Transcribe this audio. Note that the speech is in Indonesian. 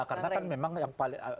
karena kan memang